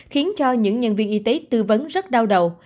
khiến cho những nhân viên y tế tư vấn rất đau đầu